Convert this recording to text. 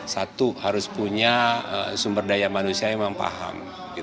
satu harus punya sumber daya manusia yang mempaham